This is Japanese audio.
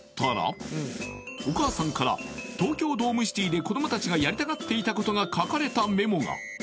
お母さんから東京ドームシティで子どもたちがやりたがっていたことが書かれたメモが！